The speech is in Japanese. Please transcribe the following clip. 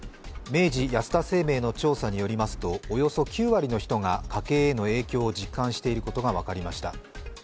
明治安田生命の調査によりますとおよそ９割の人が家計への影響を実感していることが分かりました。